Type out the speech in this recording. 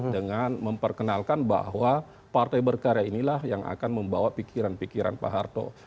dengan memperkenalkan bahwa partai berkarya inilah yang akan membawa pikiran pikiran pak harto